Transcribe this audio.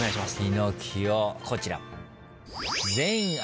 『ピノキオ』こちら。